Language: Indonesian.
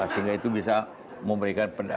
sehingga itu bisa memberikan